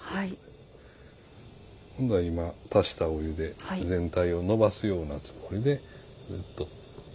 今足したお湯で全体をのばすようなつもりでずっと。